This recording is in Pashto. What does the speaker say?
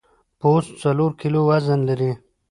پوست څلور کیلو وزن لري.